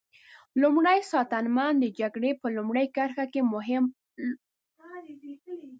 لومری ساتنمن د جګړې په لومړۍ کرښه کې مهم رول لري.